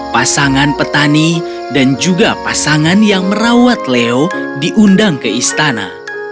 pasangan petani dan juga pasangan yang merawat leo diundang ke istana